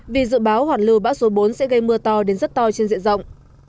vì dự báo hoạt lưu bã số bốn sẽ gây mưa to đến rất to trên diện rộng